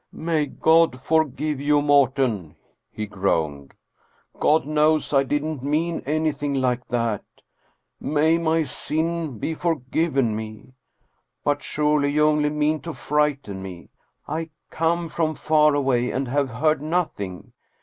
" May God forgive you, Morten!" he groaned. "God knows I didn't mean anything like that. May my sin be forgiven me! But surely you only mean to frighten me! I come from far away, and have heard nothing.